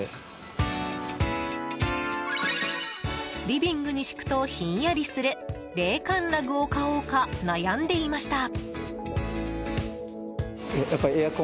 リビングに敷くとひんやりする冷感ラグを買おうか悩んでいました。